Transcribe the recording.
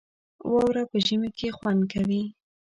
واوره په ژمي کې خوند کوي